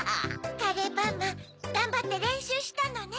カレーパンマンがんばってれんしゅうしたのね。